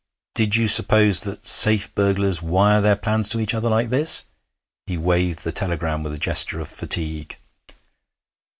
Did you suppose that safe burglars wire their plans to each other like this?' He waved the telegram with a gesture of fatigue.